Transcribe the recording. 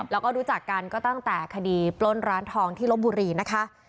แล้วก็รู้จักกันก็ตั้งแต่คดีปล้นร้านทองที่ลบบุรีนะคะ